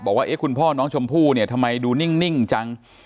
บอกว่าคุณพ่อน้องชมพู่ทำไมดูนิ่งจัง